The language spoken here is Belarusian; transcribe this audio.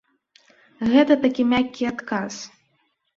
Гэта такі мяккі адказ.